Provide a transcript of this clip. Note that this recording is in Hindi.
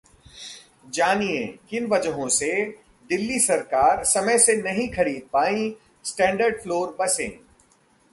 जानिए, किन वजहों से दिल्ली सरकार समय से नहीं खरीद पाई स्टैंडर्ड फ्लोर बसें